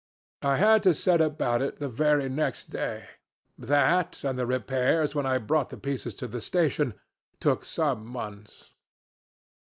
I had to set about it the very next day. That, and the repairs when I brought the pieces to the station, took some months.